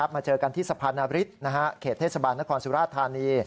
มาเจอกันที่สะพานนบริสเขตเทศบาลนครสุราธานี